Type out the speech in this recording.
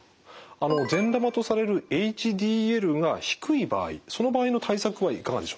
善玉とされるＨＤＬが低い場合その場合の対策はいかがでしょう？